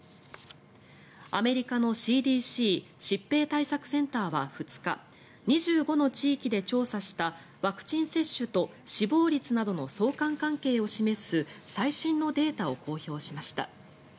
アメリカのＣＤＣ・疾病対策センターは２日２５の地域で調査したワクチン接種と死亡率などの相関関係を示す最新のデータを公表しました。